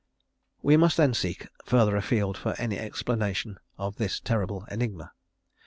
_ We must then seek further afield for any explanation of this terrible enigma.